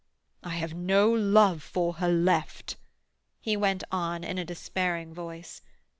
"I have no love for her left," he went on in a despairing voice.